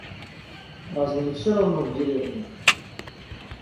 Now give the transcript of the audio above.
Разве не все равно в деревне?